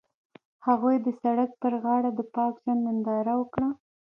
هغوی د سړک پر غاړه د پاک ژوند ننداره وکړه.